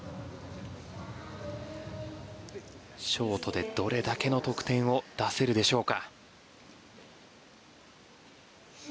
ショートでどれだけの得点を出せるでしょうか。